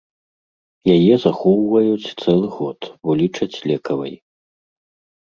Яе захоўваюць цэлы год, бо лічаць лекавай.